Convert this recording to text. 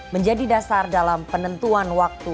menjadi dasar dalam penentuan waktu